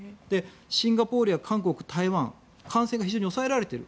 シンガポールや韓国、台湾感染が非常に抑えられている。